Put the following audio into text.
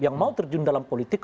yang mau terjun dalam politik